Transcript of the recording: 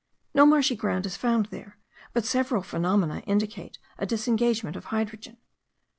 No marshy ground is found there, but several phenomena indicate a disengagement of hydrogen.